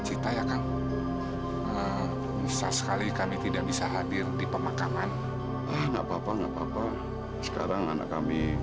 cita ya kang bisa sekali kami tidak bisa hadir di pemakaman enggak papa papa sekarang anak kami